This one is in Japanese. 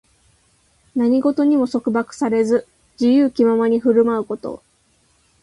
何事にも束縛されず、自由気ままに振る舞うこと。